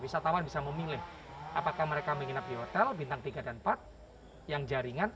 wisatawan bisa memilih apakah mereka menginap di hotel bintang tiga dan empat yang jaringan